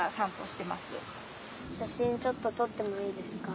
しゃしんちょっととってもいいですか。